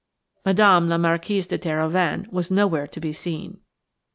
Madame la Marquise de Terhoven was nowhere to be seen.